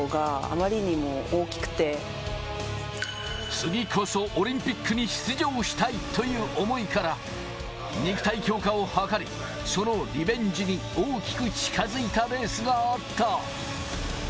次こそオリンピックに出場したい！という思いから、肉体強化を図り、そのリベンジに大きく近づいたレースがあった。